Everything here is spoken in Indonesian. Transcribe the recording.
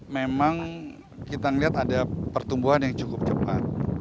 memang kita melihat ada pertumbuhan yang cukup cepat